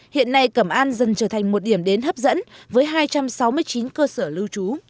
hiện nay cẩm an dần trở thành một điểm đến hấp dẫn với hai trăm sáu mươi chín cơ sở lưu trú